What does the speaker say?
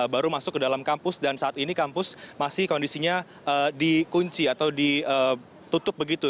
baru masuk ke dalam kampus dan saat ini kampus masih kondisinya dikunci atau ditutup begitu